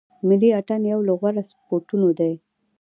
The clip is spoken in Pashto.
ملي اټن یو له غوره سپورټو دی.